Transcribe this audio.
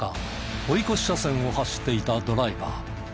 追い越し車線を走っていたドライバー。